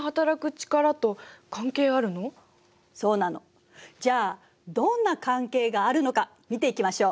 じゃあどんな関係があるのか見ていきましょう。